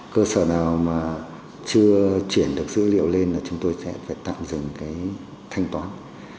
cơ sở nào mà chưa chuyển được dữ liệu lên là chúng tôi sẽ phải tạm dừng cái thanh toán